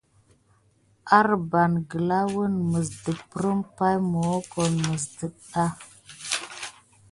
Marba gəlà woua mis dəprire pay mukuho mis ɗədà.